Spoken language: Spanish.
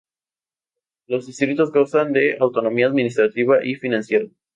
Los distritos gozan de autonomía administrativa y financiera.